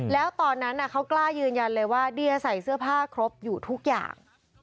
แล้วตอนนั้นเขากล้ายืนยันเลยว่าเดียใส่เสื้อผ้าครบอยู่ทุกอย่าง